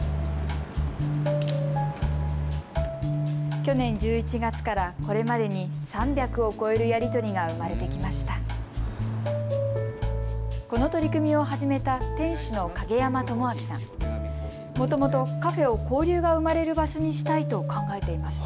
去年１１月からこれまでに３００を超えるやり取りが生まれてきました。